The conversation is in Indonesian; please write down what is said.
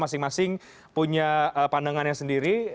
masing masing punya pandangannya sendiri